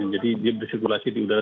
jadi dia bersirkulasi di udara